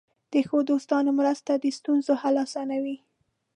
د ښو دوستانو مرسته د ستونزو حل آسانوي.